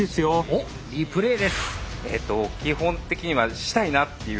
おっリプレーです。